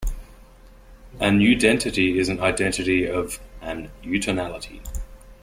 "An udentity is an identity of an utonality".